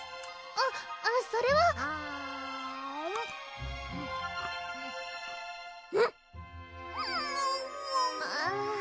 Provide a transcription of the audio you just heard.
あっそれはうんあぁ